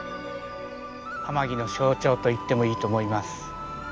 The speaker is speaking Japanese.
天城の象徴と言ってもいいと思います。